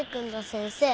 先生。